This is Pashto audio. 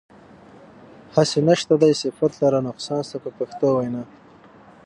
هسې نشته دی صفت لره نقصان ستا په پښتو وینا.